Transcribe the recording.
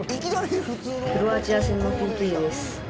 クロアチア戦のＰＫです。